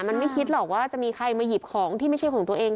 มันไม่คิดหรอกว่าจะมีใครมาหยิบของที่ไม่ใช่ของตัวเอง